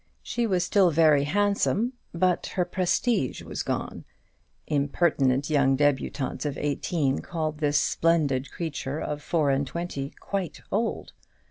She was still very handsome, but her prestige was gone. Impertinent young débutantes of eighteen called this splendid creature of four and twenty "quite old."